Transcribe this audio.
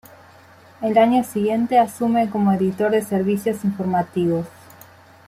El año siguiente asume como editor de servicios informativos.